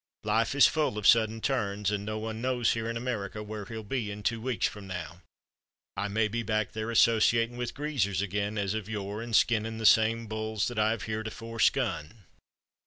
"Life is full of sudden turns, and no one knows here in America where he'll be in two weeks from now. I may be back there associating with greasers again as of yore and skinning the same bulls that I have heretofore skun.